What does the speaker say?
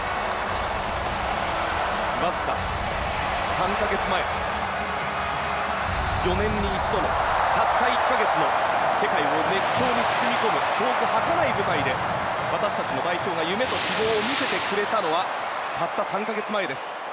わずか３か月前４年に一度の、たった１か月の世界を熱狂に包み込む遠く、はかない舞台で私たちの代表が夢と希望を見せてくれたのはたった３か月前です。